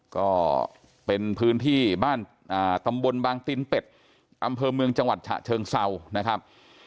ก็เป็นพื้นที่บ้านตำบลบางตินเป็ดอำเภอเมืองจังหวัดฉะเชิงเศร้านะครับ